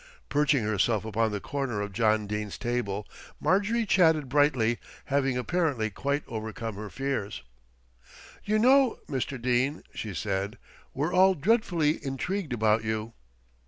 Perching herself upon the corner of John Dene's table, Marjorie chatted brightly, having apparently quite overcome her fears. "You know, Mr. Dene," she said, "we're all dreadfully intrigued about you."